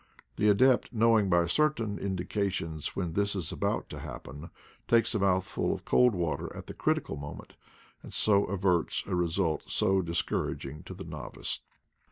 The adept, knowing by certain indications when this is about to happen, takes a mouthful of cold water at the critical moment, and so averts a result so dis couraging to the novice.